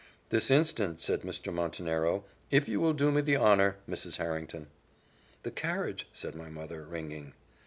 "This instant," said Mr. Montenero, "if you will do me the honour, Mrs. Harrington." "The carriage," said my mother, ringing.